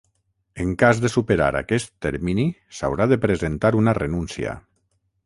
En cas de superar aquest termini s'haurà de presentar una renúncia.